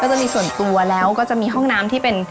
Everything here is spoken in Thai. จะมีส่วนตัวแล้วก็จะมีห้องน้ำที่เป็น